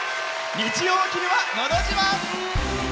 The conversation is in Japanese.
日曜お昼は「のど自慢」。